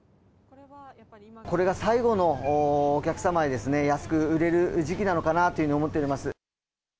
これが最後のお客様へ安く売れる時期なのかなというふうに思っております。